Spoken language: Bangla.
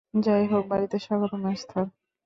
যাইহোক, বাড়িতে স্বাগতম, এস্থার।